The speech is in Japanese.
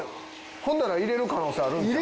ほんなら入れる可能性あるんちゃう？